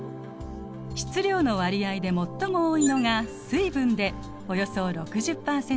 質量の割合で最も多いのが水分でおよそ６０％。